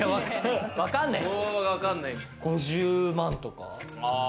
５０万とか？